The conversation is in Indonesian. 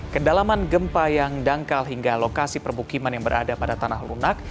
kedalaman gempa yang dangkal hingga lokasi permukiman yang berada pada tanah lunak